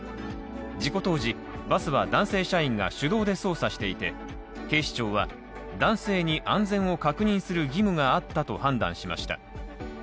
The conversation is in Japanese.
事故当時、バスは男性社員が手動で操作していて、警視庁は、男性に安全を確認する義務があったと判断しました。